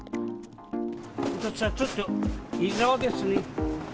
ことしはちょっと異常ですね。